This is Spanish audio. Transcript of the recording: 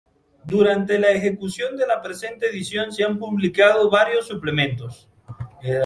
Durante la ejecución de la presente edición se han publicado varios suplementos.